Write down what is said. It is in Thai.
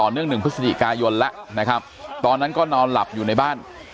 หนึ่งพฤศจิกายนแล้วนะครับตอนนั้นก็นอนหลับอยู่ในบ้าน